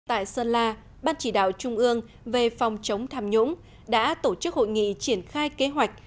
tại sơn la ban chỉ đạo trung ương về phòng chống tham nhũng đã tổ chức hội nghị triển khai kế hoạch